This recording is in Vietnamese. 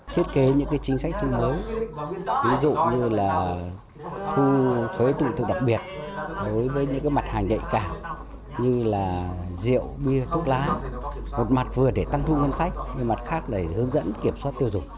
thiết kế những chính sách thu mới ví dụ như thu thuế tụ tự đặc biệt thuế với những mặt hàng nhạy cả như là rượu bia thuốc lá một mặt vừa để tăng thu ngân sách một mặt khác là hướng dẫn kiểm soát tiêu dụng